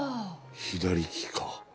左利きか。